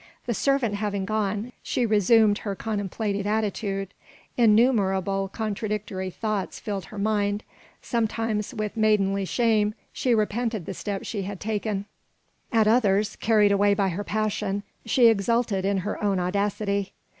The servant having gone, she resumed her contemplative attitude. Innumerable contradictory thoughts filled her mind: sometimes with maidenly shame she repented the step she had taken; at others, carried away by her passion, she exulted in her own audacity.